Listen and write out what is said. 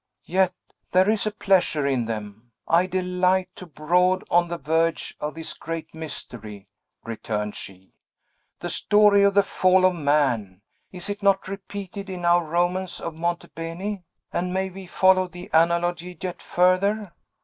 "Yet there is a pleasure in them! I delight to brood on the verge of this great mystery," returned she. "The story of the fall of man! Is it not repeated in our romance of Monte Beni? And may we follow the analogy yet further?